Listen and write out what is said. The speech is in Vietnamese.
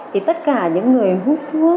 thì tất cả những người hút thuốc